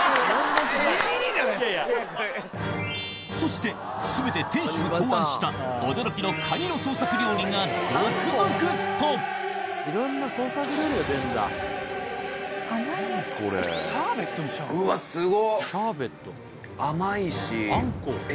そして全て店主が考案した驚きのカニの創作料理が続々とうわすご！